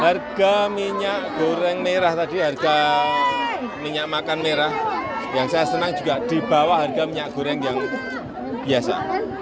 harga minyak goreng merah tadi harga minyak makan merah yang saya senang juga di bawah harga minyak goreng yang biasa